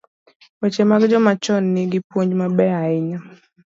Weche mag joma chon gi nigi puonj mabeyo ahinya.